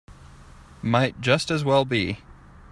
Might just as well be.